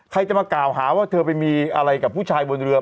ใครจะมากล่าวหาว่าเธอไปมีอะไรกับผู้ชายบนเรือ